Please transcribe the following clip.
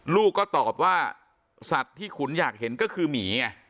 ลูกก็ตอบว่าสัตว์ที่ขุนอยากเห็นก็คือหมีไง